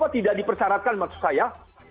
tidak dipercarakan maksud saya